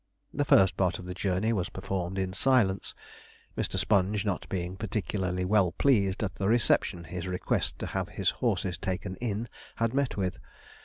The first part of the journey was performed in silence, Mr. Sponge not being particularly well pleased at the reception his request to have his horses taken in had met with.